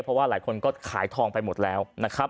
เพราะว่าหลายคนก็ขายทองไปหมดแล้วนะครับ